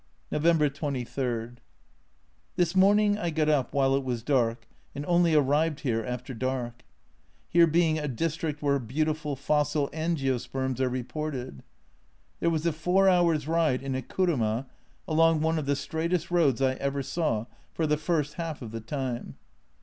November 23. This morning I got up while it was dark, and only arrived here after dark here being a district where beautiful fossil Angiosperms are reported. There was a four hours' ride in a kurunuij along one of the straightest roads I ever saw, for the first half of the time.